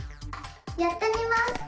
やってみます！